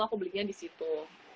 aku belinya di situ